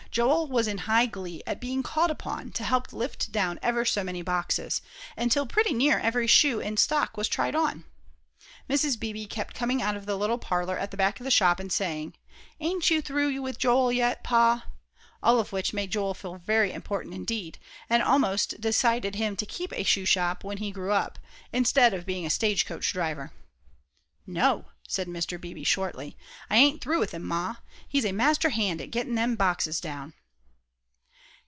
Joel was in high glee at being called upon to help lift down ever so many boxes, until pretty near every shoe in the stock was tried on. Mrs. Beebe kept coming out of the little parlor at the back of the shop, and saying, "Ain't you through with Joel yet, Pa?" all of which made Joel feel very important, indeed, and almost decided him to keep a shoe shop, when he grew up, instead of being a stage coach driver. "No," said Mr. Beebe, shortly, "I ain't through with him, Ma. He's a master hand at getting them boxes down."